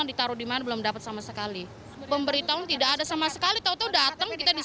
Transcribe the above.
namun mereka mengaku kesulitan mencari tempat mencari